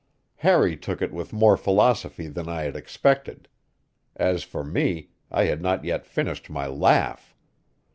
Harry took it with more philosophy than I had expected. As for me, I had not yet finished my laugh.